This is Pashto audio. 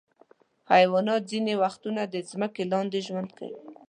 حیوانات ځینې وختونه د ځمکې لاندې ژوند کوي.